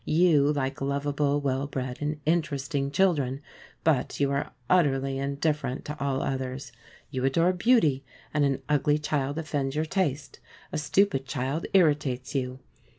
You like lovable, well bred, and interesting children, but you are utterly indifferent to all others. You adore beauty, and an ugly child offends your taste. A stupid child irritates you.